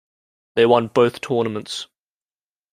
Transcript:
They won both tournaments.